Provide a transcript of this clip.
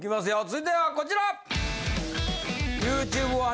続いてはこちら！